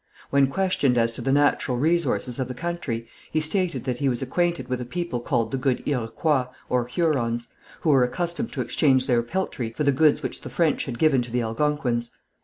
When questioned as to the natural resources of the country, he stated that he was acquainted with a people called the good Iroquois (Hurons) who were accustomed to exchange their peltry for the goods which the French had given to the Algonquins.